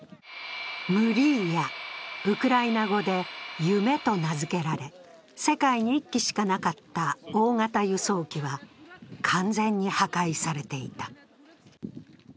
ムリーヤ、ウクライナ語で「夢」と名付けられ、世界に１機しかなかった大型輸送機は完全に破壊されていた。